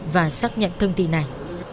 và xác nhận thông tin này